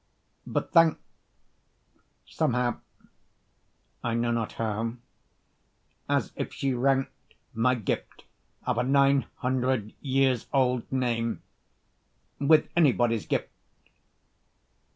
but thanked Somehow I know not how as if she ranked My gift of a nine hundred years old name With anybody's gift.